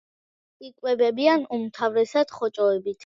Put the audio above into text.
იკვებებიან უმთავრესად ხოჭოებით.